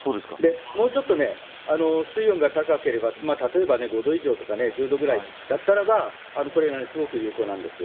もうちょっと水温が高ければ例えば、５度以上とか１０度くらいだったらばこれがすごく有効なんです。